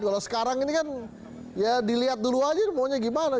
kalau sekarang ini kan ya dilihat dulu aja maunya gimana